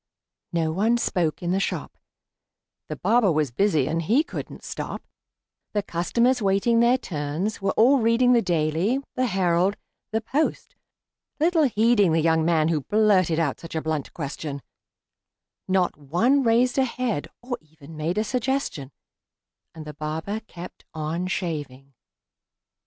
No one spoke in the shop: The barber was busy, and he couldn't stop; The customers, waiting their turns, were all reading The "Daily," the "Herald," the "Post," little heeding The young man who blurted out such a blunt question; Not one raised a head, or even made a suggestion; And the barber kept on shaving.